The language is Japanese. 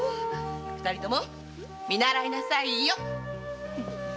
二人とも見習いなさいよ！